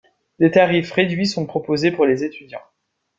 Des tarifs réduits sont proposés pour les étudiants.